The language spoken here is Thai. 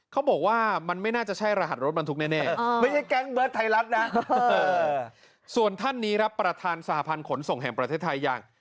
ก็จะใช่รหัสรถบรรทุกแน่ไม่ใช่แก๊งเบิร์ดไทยรัฐนะส่วนท่านนี้รับประธานสหพันธุ์ขนส่งแห่งประเทศไทยอย่าง